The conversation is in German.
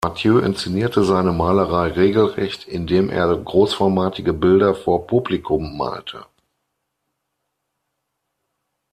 Mathieu inszenierte seine Malerei regelrecht, in dem er großformatige Bilder vor Publikum malte.